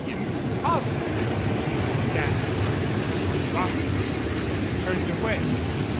"Impossible!" he stammered. She dropped his hands and turned away.